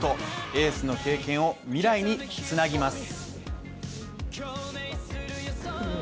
エースの経験を未来につなぎます。